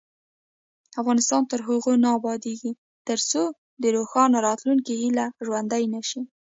افغانستان تر هغو نه ابادیږي، ترڅو د روښانه راتلونکي هیله ژوندۍ نشي.